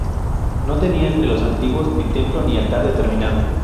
No tenía entre los antiguos ni templo, ni altar determinado.